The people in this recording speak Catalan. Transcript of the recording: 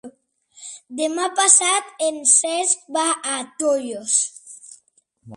Demà passat en Cesc va a Tollos.